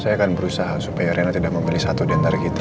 saya akan berusaha supaya erina tidak membeli satu diantara kita